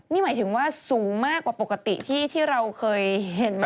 นี่หมายถึงว่าสูงมากกว่าปกติที่เราเคยเห็นมา